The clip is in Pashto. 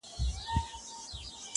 لکه څو ورځي مخکي چي